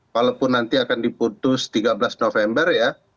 walaupun nanti akan diputus tiga belas november ya